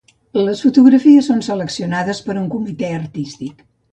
Les fotografies són seleccionades per un comitè artístic.